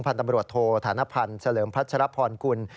พันธมรวดโทษฐานพันธ์เสริมพัชรพรคุณ